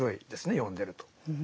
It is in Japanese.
読んでると。